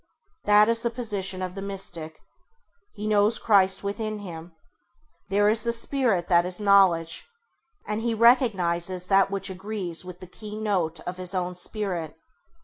That is the position of the Mystic. He knows Christ within him. There is the Spirit that is knowledge; and he recognises that which agrees with the key note of his own Spirit.